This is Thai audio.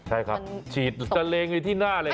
ใช่ครับฉีดซาเล้งอยู่ที่หน้าเลย